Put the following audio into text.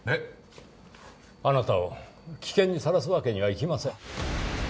あなたを危険にさらすわけにはいきません。